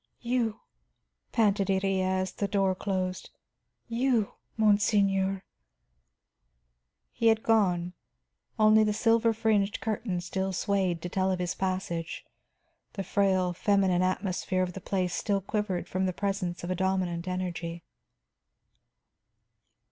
"You," panted Iría, as the door closed. "You, monseigneur!" He had gone; only the silver fringed curtain still swayed to tell of his passage, the frail, feminine atmosphere of the place still quivered from the presence of a dominant energy.